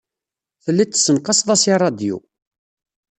Telliḍ tessenqaseḍ-as i ṛṛadyu.